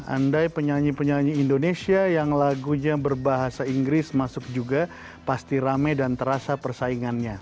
andai penyanyi penyanyi indonesia yang lagunya berbahasa inggris masuk juga pasti rame dan terasa persaingannya